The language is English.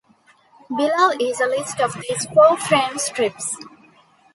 Below is a list of these four frame strips.